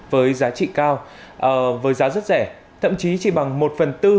với giá trị cao với giá rất rẻ thậm chí chỉ bằng một phần tư